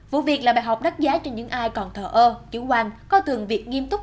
vụ việc là bài học đắt giá cho những ai còn thờ ơ dữ hoàng có thường việc nghiêm túc